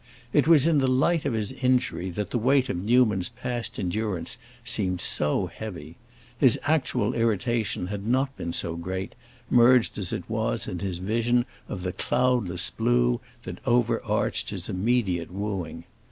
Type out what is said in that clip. It was in the light of his injury that the weight of Newman's past endurance seemed so heavy; his actual irritation had not been so great, merged as it was in his vision of the cloudless blue that overarched his immediate wooing.